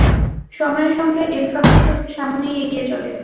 সময়ের সঙ্গে এনট্রপি শুধু সামনেই এগিয়ে চলে।